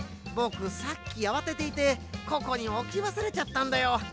ぼくさっきあわてていてここにおきわすれちゃったんだよ。